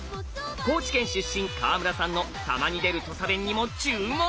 高知県出身川村さんのたまに出る土佐弁にも注目！